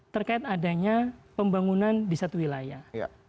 terkait adanya pembangunan di satu wilayah